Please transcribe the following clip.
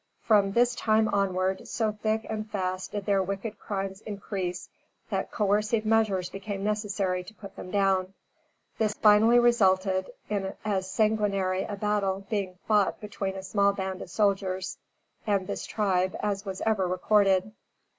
From this time onward, so thick and fast did their wicked crimes increase, that coercive measures became necessary to put them down. This finally resulted, in as sanguinary a battle being fought between a small band of soldiers and this tribe, as was ever recorded.